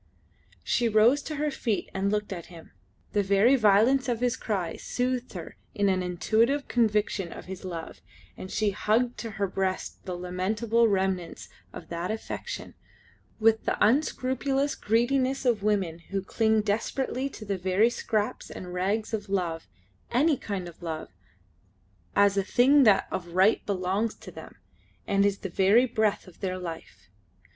She rose to her feet and looked at him. The very violence of his cry soothed her in an intuitive conviction of his love, and she hugged to her breast the lamentable remnants of that affection with the unscrupulous greediness of women who cling desperately to the very scraps and rags of love, any kind of love, as a thing that of right belongs to them and is the very breath of their life.